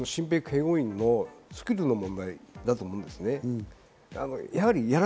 身辺警護員のスキルの問題だと思います。